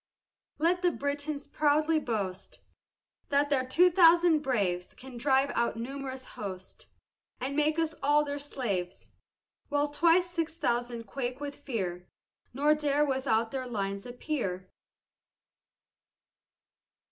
Let Britons proudly boast, "That their two thousand braves Can drive our numerous host, And make us all their slaves;" While twice six thousand quake with fear, Nor dare without their lines appear.